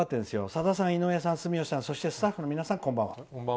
「さださん、井上さん住吉さんそしてスタッフの皆さんこんばんは。